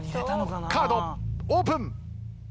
カードオープン！